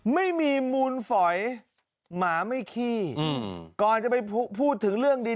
ไม่มีมูลฝอยหมาไม่ขี้ก่อนจะไปพูดถึงเรื่องดี